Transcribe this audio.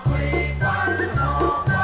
thế thô quang đã thô quang